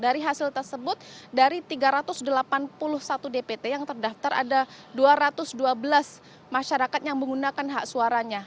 dari hasil tersebut dari tiga ratus delapan puluh satu dpt yang terdaftar ada dua ratus dua belas masyarakat yang menggunakan hak suaranya